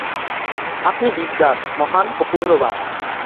আপনি বিদ্বান্, মহান ও পুণ্যবান্।